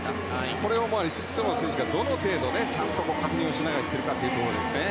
これをティットマス選手がどの程度ちゃんと確認をしながらいけるかというところですね。